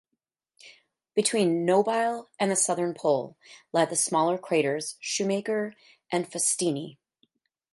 Between Nobile and the southern pole lie the smaller craters Shoemaker and Faustini.